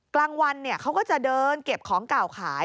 กลางวันเขาก็จะเดินเก็บของเก่าขาย